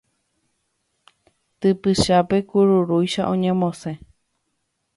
Typychápe kururúicha oñemosẽ